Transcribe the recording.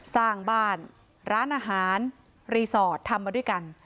สร้างบ้านร้านอาหารรีสอร์ททำมาด้วยกัน